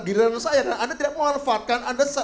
diri saya dan anda tidak mengunfalkan